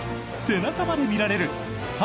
背中まで見られる！